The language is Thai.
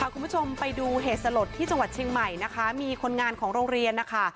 คุณผู้ชมไปดูเหตุสลดที่จังหวัดเชียงใหม่นะคะมีคนงานของโรงเรียนนะคะ